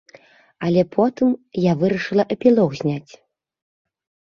Але потым я вырашыла эпілог зняць.